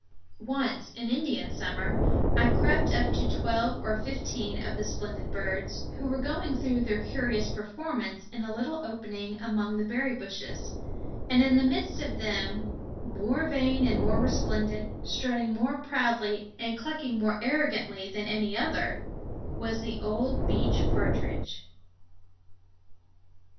Once, in Indian summer, I crept up to twelve or fifteen of the splendid birds, who were going through their curious performance in a little opening among the berry bushes; and in the midst of them more vain, more resplendent, strutting more proudly and clucking more arrogantly than any other was the old beech partridge.